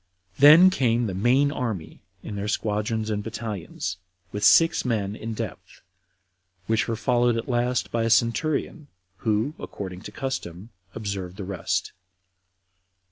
Then came the main army in their squadrons and battalions, with six men in depth, which were followed at last by a centurion, who, according to custom, observed the rest.